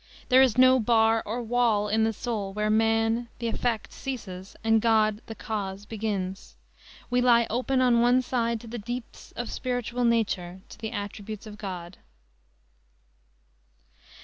There is no bar or wall in the soul where man, the effect, ceases, and God, the cause, begins. We lie open on one side to the deeps of spiritual nature, to the attributes of God."